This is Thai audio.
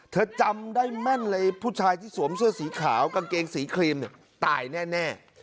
จำได้แม่นเลยผู้ชายที่สวมเสื้อสีขาวกางเกงสีครีมเนี่ยตายแน่